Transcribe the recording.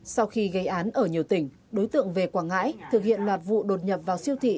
sau khi gây án ở nhiều tỉnh đối tượng về quảng ngãi thực hiện loạt vụ đột nhập vào siêu thị